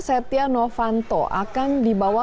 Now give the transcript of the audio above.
setia novanto akan dibawa